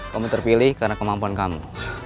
kamu terpilih karena kemampuan kamu